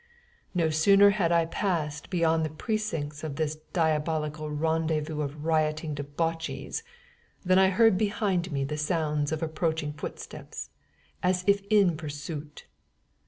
No sooner had I passed beyond the precincts of this diabolical rendezvous of rioting debauchees, than I heard behind me the sounds of approaching footsteps, as if in pursuit.